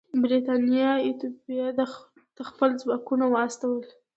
برېټانیا ایتوپیا ته خپل ځواکونه واستول.